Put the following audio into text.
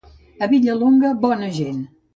A Vilallonga, bona gent.